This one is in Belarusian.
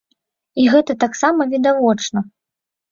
І гэта таксама відавочна.